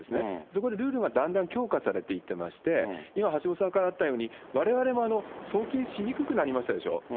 そこでルールがだんだん強化されていってまして、今、橋下さんからあったように、われわれも送金しにくくなりましたでしょ。